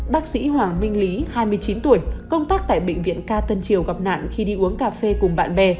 bác sĩ hoàng minh lý hai mươi chín tuổi công tác tại bệnh viện ca tân triều gặp nạn khi đi uống cà phê cùng bạn bè